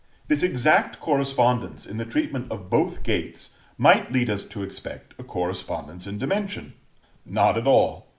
This exact correspondence, in the treatment of both gates, might lead us to expect a correspondence in dimension. Not at all.